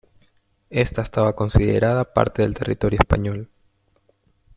Ésta estaba considerada parte del territorio español.